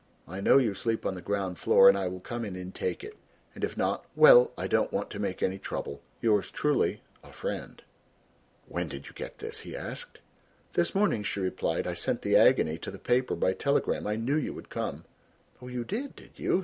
I know you sleep on the ground floor and I will come in and take it. And if not well, I don't want to make any trouble. "Yours truly, "A FRIEND." "When did you get this?" he asked. "This morning," she replied. "I sent the Agony to the paper by telegram, I knew you would come." "Oh, you did, did you?"